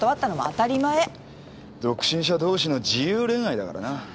独身者同士の自由恋愛だからな。